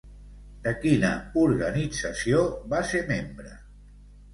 De quina organització va ser membre?